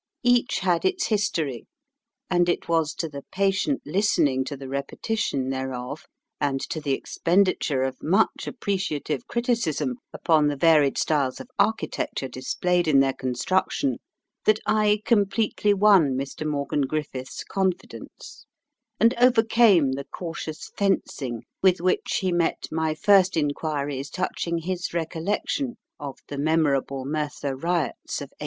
Each had its history, and it was to the patient listening to the repetition thereof, and to the expenditure of much appreciative criticism upon the varied styles of architecture displayed in their construction, that I completely won Mr. Morgan Griffiths's confidence, and overcame the cautious fencing with which he met my first inquiries touching his recollection of the memorable Merthyr Riots of 1831.